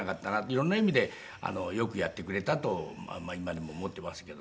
色んな意味でよくやってくれたと今でも思っていますけどね。